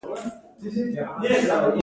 هغوی د صمیمي څپو لاندې د مینې ژورې خبرې وکړې.